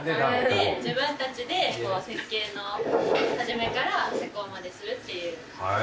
自分たちで設計の始めから施工までするっていう。